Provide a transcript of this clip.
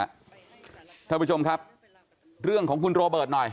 ท่านผู้ชมครับเรื่องของคุณโรเบิร์ตหน่อย